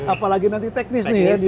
apalagi nanti teknis nih ya